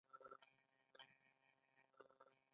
د ډاکټر پۀ حېث خدمات تر سره کړل ۔